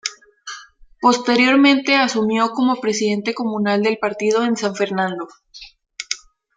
Posteriormente asumió como presidente comunal del partido en San Fernando.